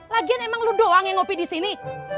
lagian emang lu doang yang ngopi disini